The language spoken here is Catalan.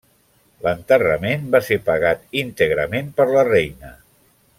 L'enterrament va ser pagat íntegrament per la reina.